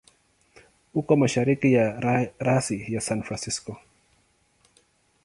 Uko mashariki ya rasi ya San Francisco.